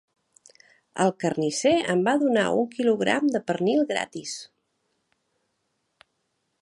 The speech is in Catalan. El carnisser em va donar un quilogram de pernil gratis!